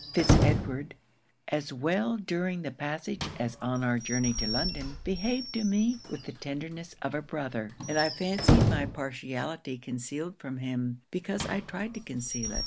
Fitz Edward, as well during the passage as on our journey to London, behaved to me with the tenderness of a brother; and I fancied my partiality concealed from him, because I tried to conceal it.